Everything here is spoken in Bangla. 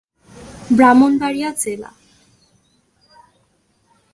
ব্রাহ্মণবাড়িয়া জেলা।